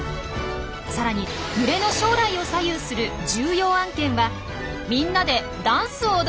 さらに群れの将来を左右する重要案件はみんなでダンスを踊って総選挙。